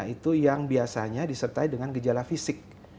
itu yang biasanya disertai dengan gejala fisik